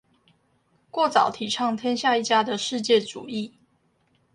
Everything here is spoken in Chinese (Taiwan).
過早提倡天下一家的世界主義